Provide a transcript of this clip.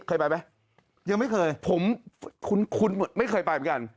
เคยไปไหมยังไม่เคยผมคุณคุณไม่เคยไปเหมือนกัน